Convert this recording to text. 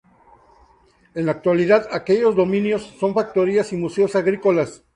En la actualidad, aquellos dominios son factorías y museos agrícolas.